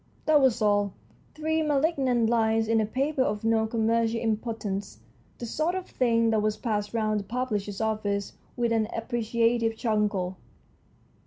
That was all, three malignant lines in a paper of no commercial importance, the sort of thing that was passed round the publisher's office with an appreciative chuckle.